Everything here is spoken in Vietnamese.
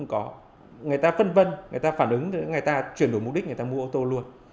người có người ta phân vân người ta phản ứng người ta chuyển đổi mục đích người ta mua ô tô luôn